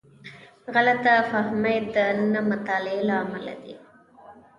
غلط فهمۍ د نه مطالعې له امله دي.